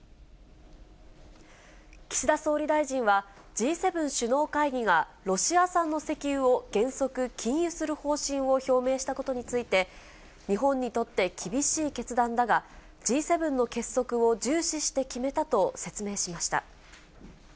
岸田総理大臣は、Ｇ７首脳会議がロシア産の石油を原則禁輸する方針を表明したことについて、日本にとって厳しい決断だが、Ｇ７の結束を重視して決めたと説明しました。